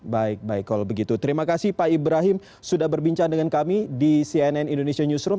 baik baik kalau begitu terima kasih pak ibrahim sudah berbincang dengan kami di cnn indonesia newsroom